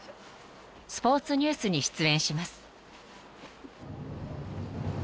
［スポーツニュースに出演します］